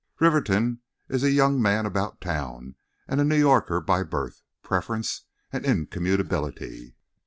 Rivington is a young man about town and a New Yorker by birth, preference and incommutability.